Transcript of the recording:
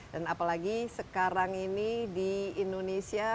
dan apalagi sekarang ini di indonesia